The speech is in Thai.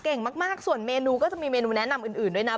เก่งมากส่วนเมนูก็จะมีเมนูแนะนำอื่นด้วยนะ